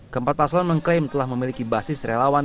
keempat paslon mengklaim telah memiliki basis relawan